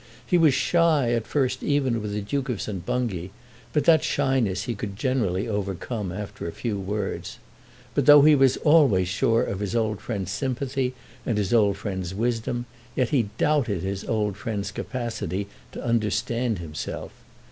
He was shy at first even with the Duke of St. Bungay, but that shyness he could generally overcome, after a few words. But though he was always sure of his old friend's sympathy and of his old friend's wisdom, yet he doubted his old friend's capacity to understand himself.